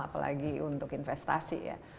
apalagi untuk investasi ya